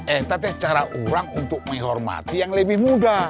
eh tata cara orang untuk menghormati yang lebih muda